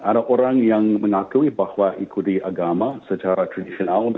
ada orang yang mengakui bahwa ikuti agama secara tradisional